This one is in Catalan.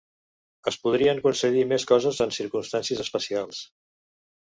Es podrien concedir més coses en circumstàncies especials.